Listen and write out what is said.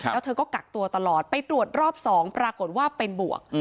แล้วเธอก็กักตัวตลอดไปตรวจรอบ๒ปรากฏว่าเป็นบวก